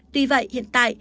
tuy vậy hiện tại